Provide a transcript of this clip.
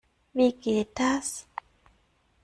Wie geht das?